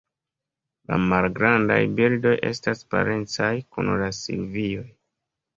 La malgrandaj birdoj estas parencaj kun la Silvioj.